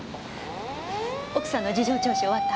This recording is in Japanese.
奥さんの事情聴取終わった？